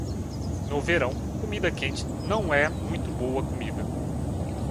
No verão, comida quente não é muito boa comida.